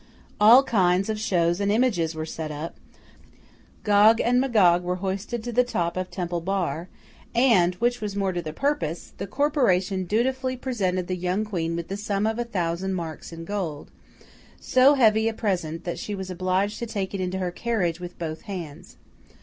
All kinds of shows and images were set up; Gog and Magog were hoisted to the top of Temple Bar, and (which was more to the purpose) the Corporation dutifully presented the young Queen with the sum of a thousand marks in gold—so heavy a present, that she was obliged to take it into her carriage with both hands.